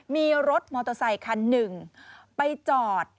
มีรถมอเตอร์ไซคันหนึ่งไปจอด